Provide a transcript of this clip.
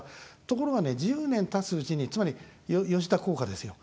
ところが、１０年たつうちにつまり、吉田効果ですよ。